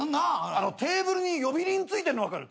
テーブルに呼び鈴ついてるの分かる？